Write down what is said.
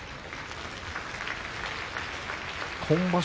今場所